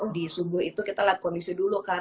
di subuh itu kita lihat kondisi dulu kan